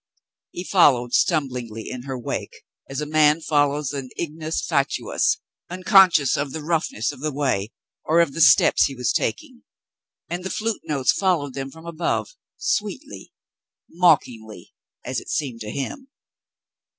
He followed stumblingly in her wake, as a man follows an ignis fatuus, unconscious of the roughness of the way or of the steps he was taking — and the flute notes followed them from above — sweetly — mockingly, as it seemed to him.